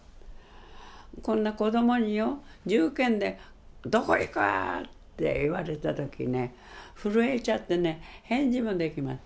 こんな子供によ銃剣で「どこ行く⁉」って言われた時ね震えちゃってね返事もできません。